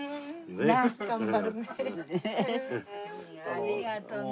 ありがとな。